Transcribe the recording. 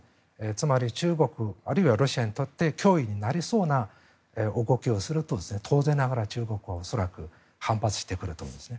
つまり、中国あるいはロシアにとって脅威になりそうな動きをすると当然ながら中国は、恐らく反発してくると思いますね。